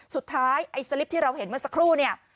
สุดท้ายไอ้สลิปที่เราเห็นเมื่อสักครู่นี่